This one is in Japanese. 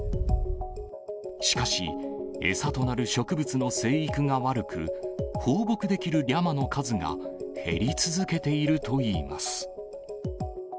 しかし、餌となる植物の生育が悪く、放牧できるリャマの数が減り続けているといいます。